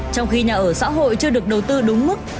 trong khi nhà ở xã hội chưa được đầu tư đúng mức